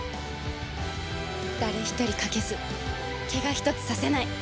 誰一人欠けず怪我一つさせない。